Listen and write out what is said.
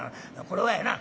これはやな